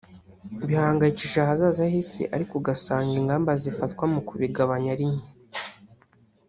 bihangayikishije ahazaza h’isi ariko ugasanga ingamba zifatwa mu kubigabanya ari nke